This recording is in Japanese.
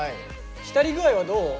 浸り具合はどう？